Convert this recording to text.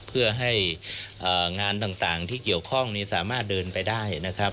เพื่อให้งานต่างที่เกี่ยวข้องนี้สามารถเดินไปได้นะครับ